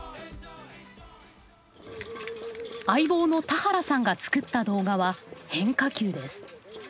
相棒の田原さんが作った動画は変化球です。